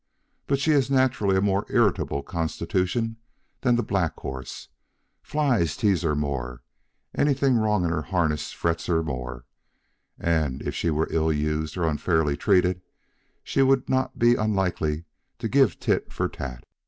But she has naturally a more irritable constitution than the black horse; flies tease her more; anything wrong in her harness frets her more; and if she were ill used or unfairly treated she would not be unlikely to give tit for tat.